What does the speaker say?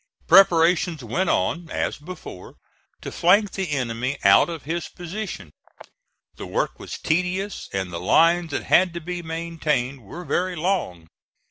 Preparations went on, as before, to flank the enemy out of his position. The work was tedious, and the lines that had to be maintained were very long.